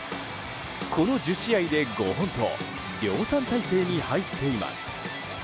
この１０試合で５本と量産態勢に入っています。